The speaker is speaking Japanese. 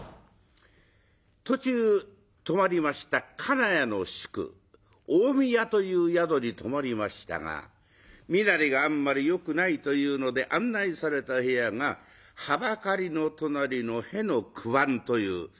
途中泊まりました金谷の宿近江屋という宿に泊まりましたが身なりがあんまりよくないというので案内された部屋がはばかりの隣の「へ」の九番という。